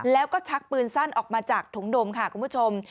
แล้วก็ชักปืนสั้นออกมาจากถุงดมค่ะคุณผู้ชม